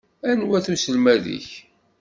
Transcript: Anwa-t uselmad-ik?